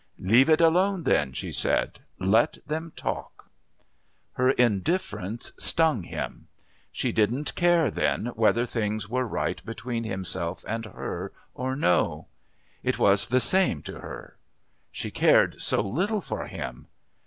"Leave it alone, then," she said. "Let them talk." Her indifference stung him. She didn't care, then, whether things were right between himself and her or no? It was the same to her. She cared so little for him....